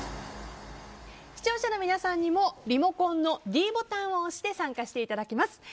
視聴者の皆さんにもリモコンのｄボタンを押して参加していただきます。